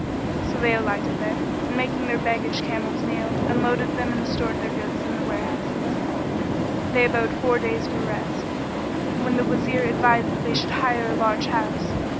So they alighted there and making their baggage camels kneel, unloaded them and stored their goods in the warehouses.[FN#13] They abode four days for rest; when the Wazir advised that they should hire a large house.